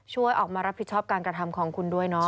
ช่วยออกมารับผิดชอบการกระทำของคุณด้วยเนาะ